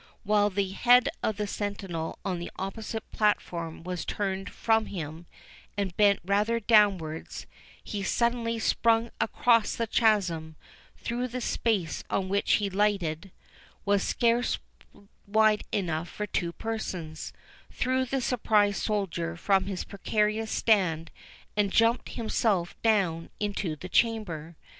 While the head of the sentinel on the opposite platform was turned from him, and bent rather downwards, he suddenly sprung across the chasm, though the space on which he lighted was scarce wide enough for two persons, threw the surprised soldier from his precarious stand, and jumped himself down into the chamber.